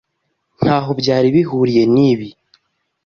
Ntaho byari bihuriye nibi.